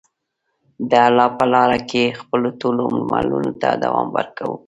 د الله په لاره کې خپلو ټولو عملونو ته دوام ورکول.